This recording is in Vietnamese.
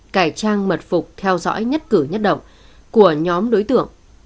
cải trang mật phục theo dõi nhất cử nhất động của nhóm đối tượng